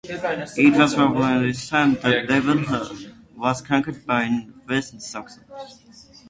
It was probably around this time that Devon was conquered by the West Saxons.